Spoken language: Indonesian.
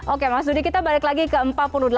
oke mas dudi kita balik lagi ke empat puluh delapan